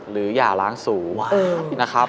หรืออย่าล้างสูง